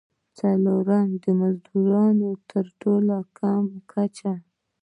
څلورم: د مزدونو تر ټولو کمه کچه.